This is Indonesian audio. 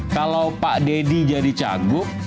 kalau pak deddy jadi cagup